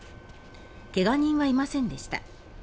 怪我人はいませんでした。